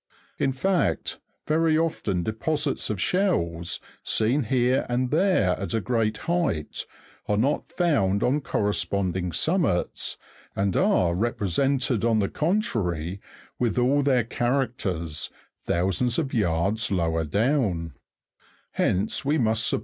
In fact, very often deposits of shells, seen here and there at a great height, are not found on corresponding summits, and are represented on the contrary with all their charac ters, thousands of yards lower down ; hence we must suppose the 7.